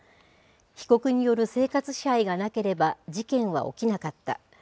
被告による生活支配がなければ事件は起きなかった。